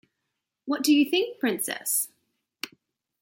What do you think, Princess?